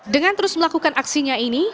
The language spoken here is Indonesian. dengan terus melakukan aksinya ini